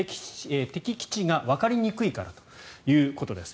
敵基地がわかりにくいからということです。